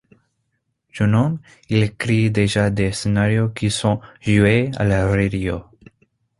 Jeune homme, il écrit déjà des scénarios qui sont joués à la radio.